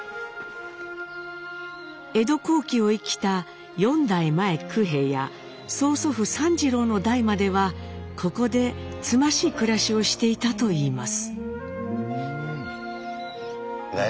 江戸後期を生きた４代前九平や曽祖父三次郎の代まではここでつましい暮らしをしていたといいます。